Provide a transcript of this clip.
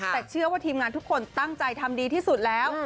แต่เชื่อว่าทีมงานทุกคนตั้งใจทำดีที่สุดแล้ว